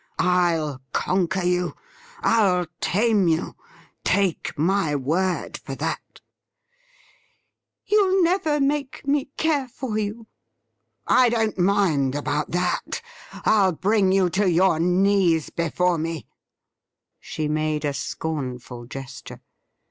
I'll conquer you ! I'll tame you — take my word for that !'' You'll never make me care for you '' I don't mind about that ; I'll bring you to your knees before me ' She made a scornful gesture.